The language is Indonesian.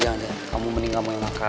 jangan jangan kamu mending gak mau makan